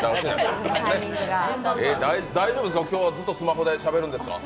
大丈夫ですか、今日はずっとスマホでしゃべるんですか？